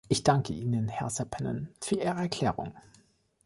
Ich danke Ihnen, Herr Seppänen, für Ihre Erklärung.